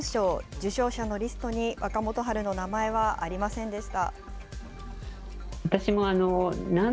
受賞者のリストに若元春の名前はありませんでした。